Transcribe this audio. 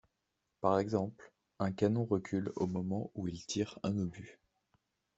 Par exemple, un canon recule au moment où il tire un obus.